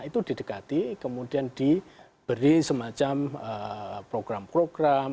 itu didekati kemudian diberi semacam program program